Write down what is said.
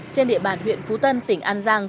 trên địa bàn huyện phú tân tỉnh an giang